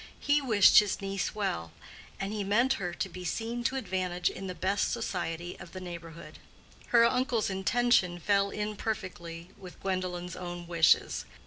He wished his niece well, and he meant her to be seen to advantage in the best society of the neighborhood. Her uncle's intention fell in perfectly with Gwendolen's own wishes.